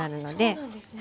そうなんですね。